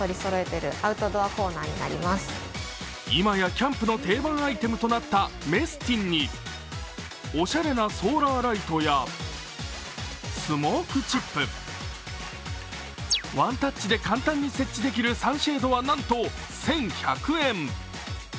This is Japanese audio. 今やキャンプの定番アイテムとなったメスティンにおしゃれなソーラーライトやスモークチップワンタッチで簡単に設置できるサンシェードは、なんと１１００円。